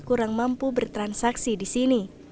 dan kurang mampu bertransaksi di sini